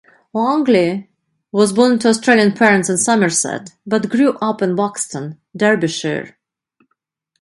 Langley was born to Australian parents in Somerset, but grew up in Buxton, Derbyshire.